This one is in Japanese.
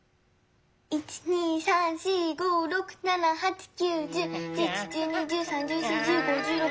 １２３４５６７８９１０１１１２１３１４１５１６。